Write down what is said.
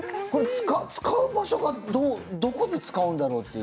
使う場所がどこで使うんだろうって。